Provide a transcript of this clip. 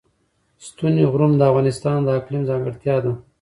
ستوني غرونه د افغانستان د اقلیم ځانګړتیا ده.